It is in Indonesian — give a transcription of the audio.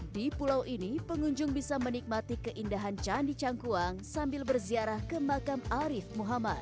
di pulau ini pengunjung bisa menikmati keindahan candi cangkuang sambil berziarah ke makam arif muhammad